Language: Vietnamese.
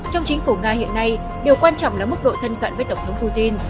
trong chính phủ nga hiện nay điều quan trọng là mức độ thân cận với tổng thống putin